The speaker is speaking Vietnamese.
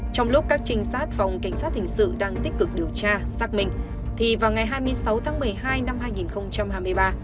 trong lúc các trinh sát phòng cảnh sát hình sự đang tích cực điều tra xác minh thì vào ngày hai mươi sáu tháng một mươi hai năm hai nghìn hai mươi ba